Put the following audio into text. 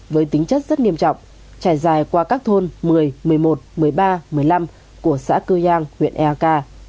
với tính chất rất nghiêm trọng trải dài qua các thôn một mươi một mươi một một mươi ba một mươi năm của xã cư giang huyện eak